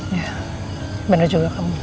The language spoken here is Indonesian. ya bener juga kamu